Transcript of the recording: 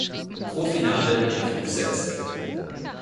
Pro-Finale in fünf Sätzen.